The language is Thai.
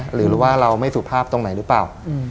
หรือว่าเราไม่สุภาพตรงไหนหรือเปล่า